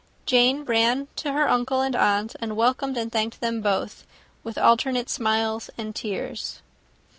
Jane ran to her uncle and aunt, and welcomed and thanked them both, with alternate smiles and tears.